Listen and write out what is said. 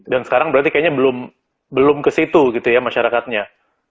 dan sekarang berarti kayaknya belum kesitu gitu ya masyarakatnya